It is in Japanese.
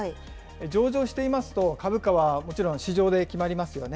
上場していますと、株価はもちろん市場で決まりますよね。